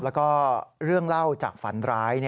แล้วก็เรื่องเล่าจากฝันร้าย